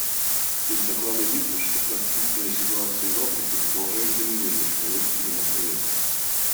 Из доклада видно, что конфликтные ситуации в Африке продолжают доминировать в повестке дня Совета.